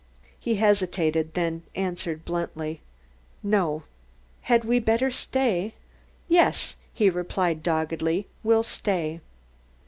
He hesitated, then answered bluntly: "No." "H had we better stay?" "Yes," he replied, doggedly, "we'll stay."